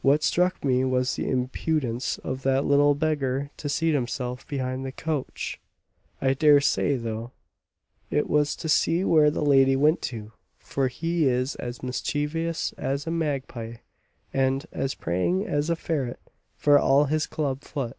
What struck me was the impudence of that little beggar to seat himself behind the coach. I dare say, though, it was to see where the lady went to, for he is as mischievous as a magpie, and as prying as a ferret, for all his club foot."